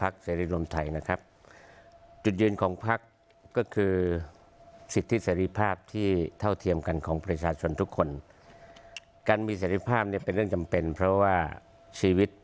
ธรรมครับจุดยืนของพ็าร์ป่าคก็คือสิทธิแสรีภาพที่เท่าเทียมกันของประชาชนทุกคนการมีแสรีภาพเนี้ยเป็นเรื่องจำเต้นเพราะว่าชีวิต